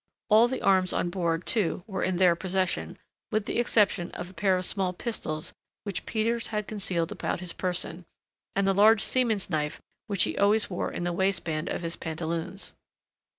All the arms on board, too, were in their possession, with the exception of a pair of small pistols which Peters had concealed about his person, and the large seaman's knife which he always wore in the waistband of his pantaloons.